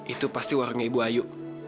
itu pasti warnanya ibu ayu